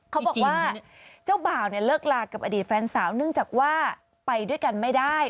เขาบอกว่าเจ้าบ่าวเนี่ยเลิกลากับอดีตแฟนสาวเนื่องจากว่าไปด้วยกันไม่ได้